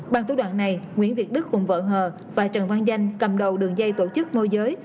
bằng thủ đoạn này nguyễn việt đức cùng vợ hờ và trần văn danh cầm đầu đường dây tổ chức môi giới